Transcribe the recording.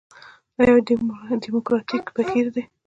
دا یو ډیموکراټیک بهیر دی.